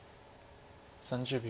３０秒。